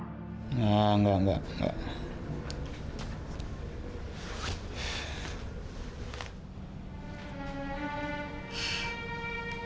enggak enggak enggak